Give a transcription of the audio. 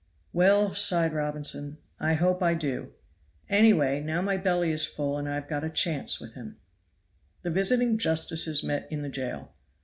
"Well," sighed Robinson, "I hope I do. Any way now my belly is full I have got a chance with him." The visiting justices met in the jail.